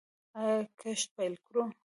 آیا کښت پیل کړو؟